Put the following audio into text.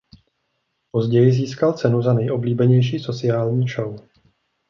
Později získal cenu za nejoblíbenější sociální show.